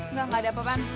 enggak gak ada apa apaan